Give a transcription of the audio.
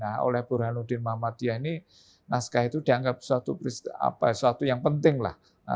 nah oleh burhanuddin muhammadiyah ini naskah itu dianggap suatu yang penting lah